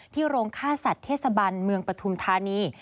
โรงฆ่าสัตว์เทศบันเมืองปฐุมธานี